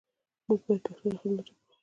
موږ باید پښتو ته خدمت وکړو